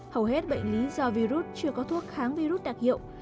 hầu hết bệnh lý do virus chưa có thuốc kháng virus đặc hiệu